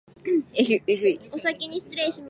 えぐい